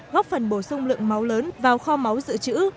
góp phần bổ sung lượng máu lớn vào kho máu dự trữ